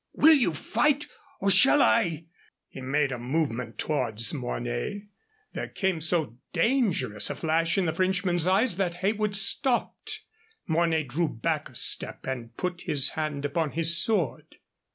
Will you fight, or shall I " He made a movement towards Mornay. There came so dangerous a flash in the Frenchman's eyes that Heywood stopped. Mornay drew back a step and put his hand upon his sword.